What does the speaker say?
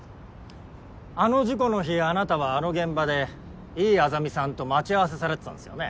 あの事故の日あなたはあの現場で維井莇さんと待ち合わせされてたんですよね？